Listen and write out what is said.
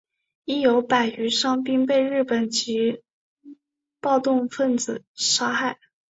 亦有百余伤兵被日本籍暴动分子杀害。